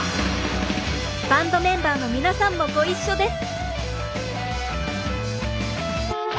バンドメンバーの皆さんもご一緒です。